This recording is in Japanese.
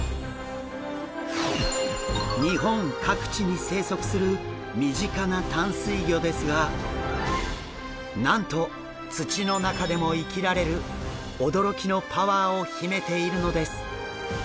日本各地に生息する身近な淡水魚ですがなんと土の中でも生きられる驚きのパワーを秘めているのです。